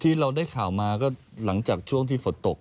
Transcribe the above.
ที่เราได้ข่าวมาก็หลังจากช่วงที่ฝนตก